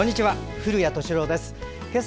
古谷敏郎です。